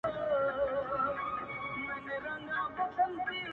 د غلا په جرم به پاچاصاب محترم نیسې